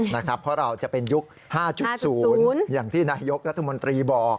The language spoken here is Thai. เพราะเราจะเป็นยุค๕๐อย่างที่นายกรัฐมนตรีบอก